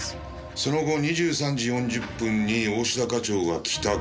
その後２３時４０分に大信田課長が帰宅。